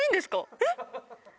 えっ？